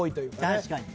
確かにね。